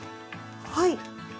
はい。